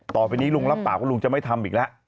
ต่อไปนี้ลุงรับปากว่าลุงจะไม่ทำอีกแล้ว